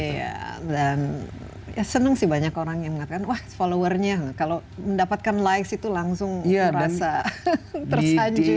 iya dan ya seneng sih banyak orang yang mengatakan wah followersnya kalau mendapatkan likes itu langsung merasa tersanjung gitu